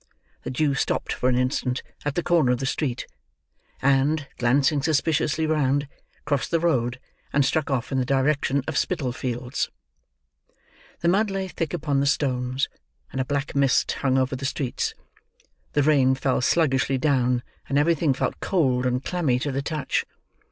The Jew stopped for an instant at the corner of the street; and, glancing suspiciously round, crossed the road, and struck off in the direction of the Spitalfields. The mud lay thick upon the stones, and a black mist hung over the streets; the rain fell sluggishly down, and everything felt cold and clammy to the touch.